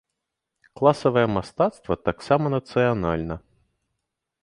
Класавае мастацтва таксама нацыянальна.